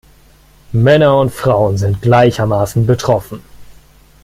Männer und Frauen sind gleichermaßen betroffen.